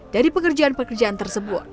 dari pekerjaan pekerjaan tersebut